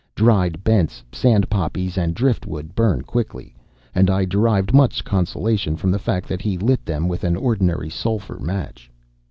Dried bents, sand poppies, and driftwood burn quickly; and I derived much consolation from the fact that he lit them with an ordinary sulphur match.